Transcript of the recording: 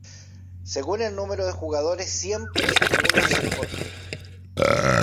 Según el número de jugadores siempre uno es el portero.